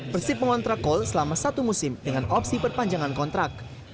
persib mengontrak kol selama satu musim dengan opsi perpanjangan kontrak